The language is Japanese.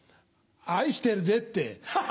愛してるぜって。